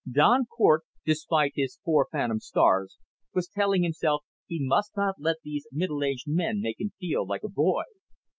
Don Cort, despite his four phantom stars, was telling himself he must not let these middle aged men make him feel like a boy.